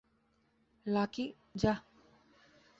Lucky, যা।